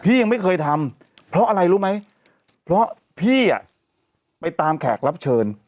ยังไม่เคยทำเพราะอะไรรู้ไหมเพราะพี่อ่ะไปตามแขกรับเชิญ